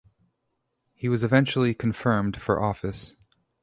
He was eventually confirmed for office.